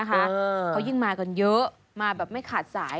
เขายิ่งมากันเยอะมาแบบไม่ขาดสาย